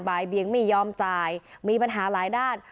เบียงไม่ยอมจ่ายมีปัญหาหลายด้าน